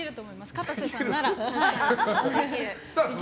かたせさんなら。